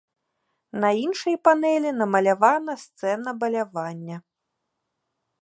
На іншай панэлі намалявана сцэна балявання.